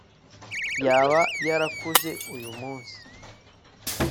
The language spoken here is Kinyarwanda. yaba yarakuze uyu munsi